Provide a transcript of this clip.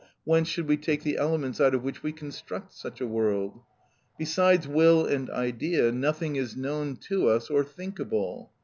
Whence should we take the elements out of which we construct such a world? Besides will and idea nothing is known to us or thinkable.